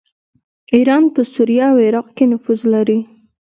ایران په سوریه او عراق کې نفوذ لري.